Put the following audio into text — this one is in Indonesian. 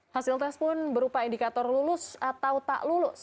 hasil tes pun berupa indikator lulus atau tak lulus